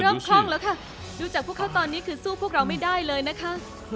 คล่องแล้วค่ะดูจากพวกเขาตอนนี้คือสู้พวกเราไม่ได้เลยนะคะ